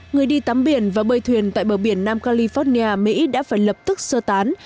người đi tắm biển và bơi thuyền tại bờ biển nam california mỹ đã phải lập tức sơ tán